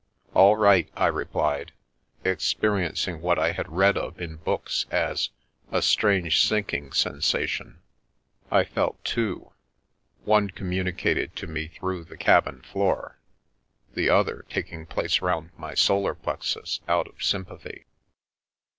All right !" I replied, experiencing what I had n of in books as " a strange sinking sensation." I i two— one communicated to me through the cabin flo the other taking place round my solar plexus out sympathy.